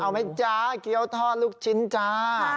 เอาไหมจ๊ะเกี้ยวทอดลูกชิ้นจ้า